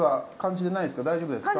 大丈夫ですか？